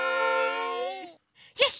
よし！